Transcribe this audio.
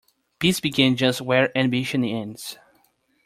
Peace begins just where ambition ends.